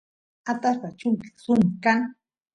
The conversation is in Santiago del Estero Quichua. atashpa chunka suni kan